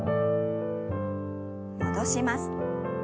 戻します。